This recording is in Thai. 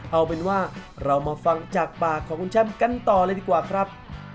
เอาเป็นว่าเรามาฟังจากปากของคุณแชมป์กันต่อเลยดีกว่าครับ